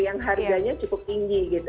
yang harganya cukup tinggi gitu